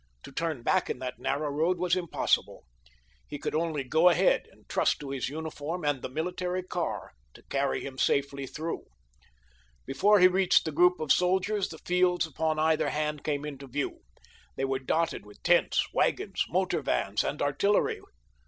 To turn back in that narrow road was impossible. He could only go ahead and trust to his uniform and the military car to carry him safely through. Before he reached the group of soldiers the fields upon either hand came into view. They were dotted with tents, wagons, motor vans and artillery.